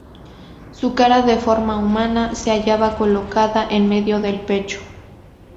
Su cara de forma humana, se hallaba colocada en medio del pecho.